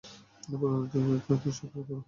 এই পরিকল্পনাটি তো তিন সপ্তাহ পরে হওয়ার কথা ছিল।